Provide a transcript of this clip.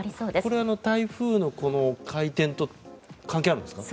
これ、台風の回転と関係あるんですか？